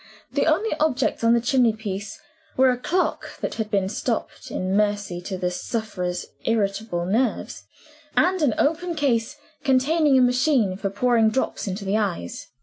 The only objects on the chimney piece were a clock that had been stopped in mercy to the sufferer's irritable nerves, and an open case containing a machine for pouring drops into the eyes.